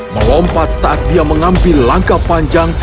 melompat saat dia mengambil langkah panjang